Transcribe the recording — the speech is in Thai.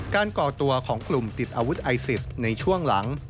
ก่อตัวของกลุ่มติดอาวุธไอซิสในช่วงหลัง